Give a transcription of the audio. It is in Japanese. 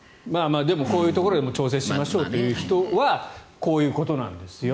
でもこういうところでも調整しましょうという人はこういうことなんですよ。